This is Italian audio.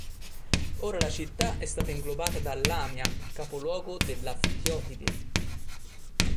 Ora la città è stata inglobata da Lamia, capoluogo della Ftiotide.